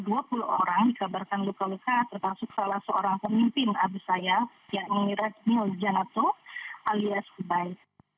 dari sekitar dua puluh orang dikabarkan luka luka termasuk salah seorang pemimpin abu sayyaf yakni razmil janato alias kubai